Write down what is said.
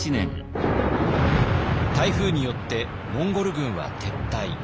台風によってモンゴル軍は撤退。